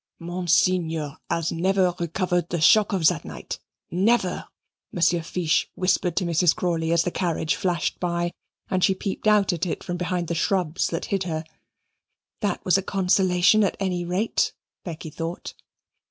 "Monseigneur has never recovered the shock of that night, never," Monsieur Fiche whispered to Mrs. Crawley as the carriage flashed by, and she peeped out at it from behind the shrubs that hid her. "That was a consolation at any rate," Becky thought.